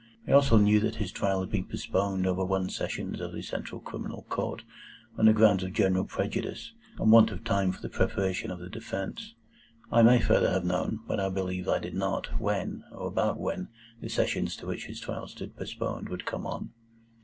I also knew that his trial had been postponed over one Sessions of the Central Criminal Court, on the ground of general prejudice and want of time for the preparation of the defence. I may further have known, but I believe I did not, when, or about when, the Sessions to which his trial stood postponed would come on.